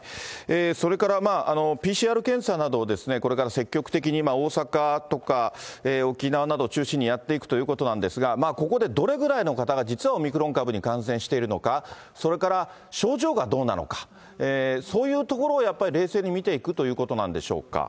それからＰＣＲ検査などを、これから積極的に大阪とか、沖縄などを中心にやっていくということなんですが、ここでどれぐらいの方が実はオミクロン株に感染しているのか、それから症状がどうなのか、そういうところをやっぱり冷静に見ていくということなんでしょう